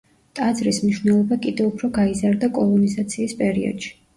ტაძრის მნიშვნელობა კიდევ უფრო გაიზარდა კოლონიზაციის პერიოდში.